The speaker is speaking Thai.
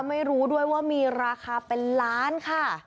ไม่รู้ด้วยว่ามีราคาเป็นล้านค่ะ